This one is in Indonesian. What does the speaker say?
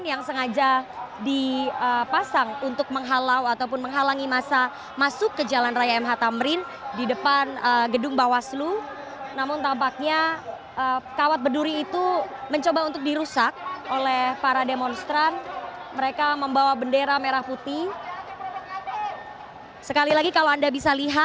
yang anda dengar saat ini sepertinya adalah ajakan untuk berjuang bersama kita untuk keadilan dan kebenaran saudara saudara